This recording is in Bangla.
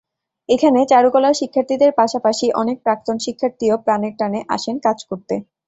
এখানে চারুকলার শিক্ষার্থীদের পাশাপাশি অনেক প্রাক্তন শিক্ষার্থীও প্রাণের টানে আসেন কাজ করতে।